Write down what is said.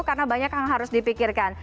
karena banyak yang harus dipikirkan